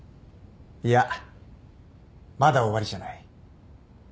いやまだ終わりじゃない。